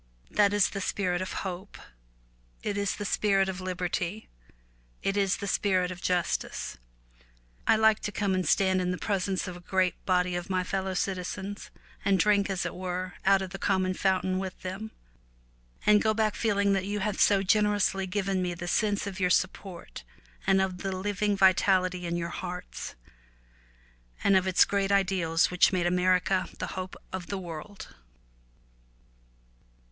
That is the spirit of hope, it is the spirit of liberty, it is the spirit of justice. I like to come and stand in the presence of a great body of my fellow citizens, and drink, as it were, out of the common fountain with them and go back feeling that you have so generously given me the sense of your support and of the living vitality in your hearts, of its great ideals which made America the hope of the world.